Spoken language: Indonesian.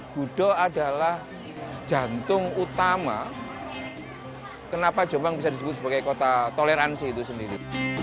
gudo adalah jantung utama kenapa jombang bisa disebut sebagai kota toleransi itu sendiri